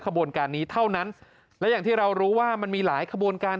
ขบวนการนี้เท่านั้นและอย่างที่เรารู้ว่ามันมีหลายขบวนการ